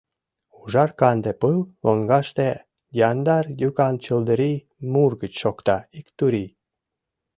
Ужар-канде пыл лоҥгаште, Яндар йӱкан чылдырий Мургыч шокта ик турий.